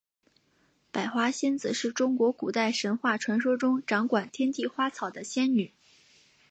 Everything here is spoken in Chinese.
百花仙子是中国古代神话传说中掌管天地花草的仙女。